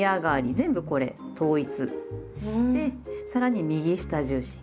全部これ統一してさらに右下重心。